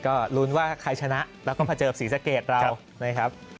ก็ลุ้นว่าใครชนะแล้วก็มาเจอกับศรีสะเกดเรานะครับ